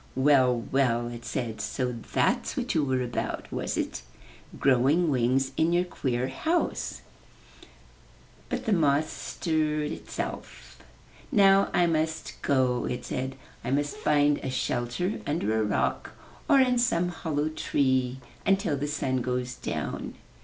"Well, well!" it said, "so that was what you were about, was it; growing wings in your queer house!" 50 UP ONE PAIR OF STAIRS But the moth stirred itself. *'Now I must go/' it said. ''I must find a shelter under a rock or in some hollow tree until the sun goes down.